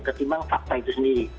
ketimbang fakta itu sendiri